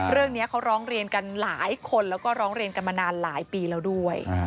เรื่องนี้เขาร้องเรียนกันหลายคนแล้วก็ร้องเรียนกันมานานหลายปีแล้วด้วย